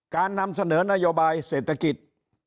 นำเสนอนโยบายเศรษฐกิจ